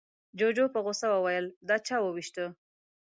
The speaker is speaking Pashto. جوجو په غوسه وويل، دا چا ووېشته؟